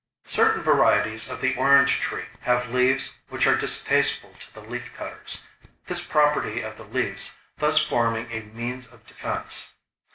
Certain varieties of the orange tree have leaves which are distasteful to the leaf cutters, this property of the leaves thus forming a means of defense.